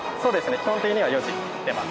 基本的には４時に出ます。